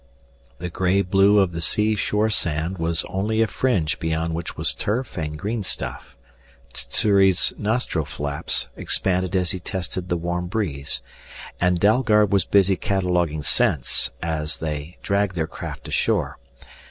The gray blue of the seashore sand was only a fringe beyond which was turf and green stuff. Sssuri's nostril flaps expanded as he tested the warm breeze, and Dalgard was busy cataloguing scents as they dragged their craft ashore.